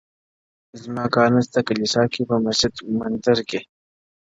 • زما کار نسته کلیسا کي، په مسجد، مندِر کي،